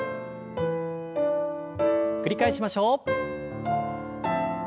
繰り返しましょう。